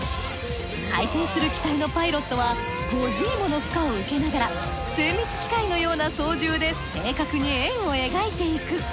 回転する機体のパイロットは５Ｇもの負荷を受けながら精密機械のような操縦で正確に円を描いていく。